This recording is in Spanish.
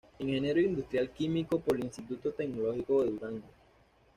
Ingeniero Industrial Químico por el Instituto Tecnológico de Durango.